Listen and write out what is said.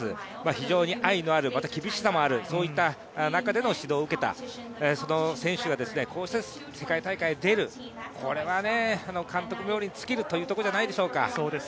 非常に愛のある厳しさもある、そういった中での指導を受けた選手が、世界大会出る、これは監督冥利に尽きるというところではないでしょうか。